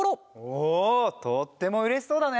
おおとってもうれしそうだね！